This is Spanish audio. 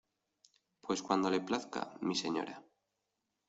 pues cuando le plazca, mi señora.